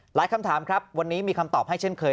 คำถามครับวันนี้มีคำตอบให้เช่นเคย